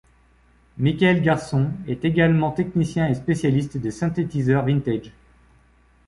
Michaël Garçon est également technicien et spécialiste des synthétiseurs vintage.